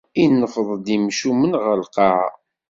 Ineffeḍ-d imcumen ɣer lqaɛa.